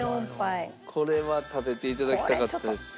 これは食べて頂きたかったです。